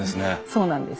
そうなんです。